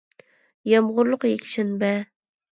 يامغۇرلۇق يەكشەنبە